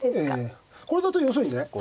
これだと要するにね